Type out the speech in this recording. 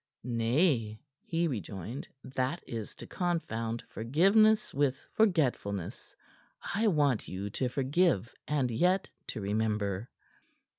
"Nay," he rejoined, "that is to confound forgiveness with forgetfulness. I want you to forgive and yet to remember."